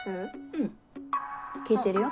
うん聞いてるよ。